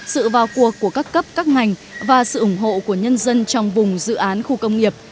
sự vào cuộc của các cấp các ngành và sự ủng hộ của nhân dân trong vùng dự án khu công nghiệp